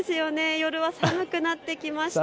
夜は寒くなってきました。